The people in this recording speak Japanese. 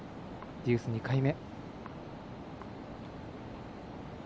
デュース２回目。